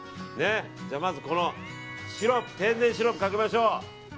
まず、この天然シロップをかけましょう。